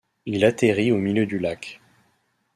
Il atterrit au milieu du lac.